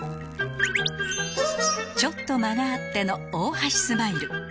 ちょっと間があっての大橋スマイル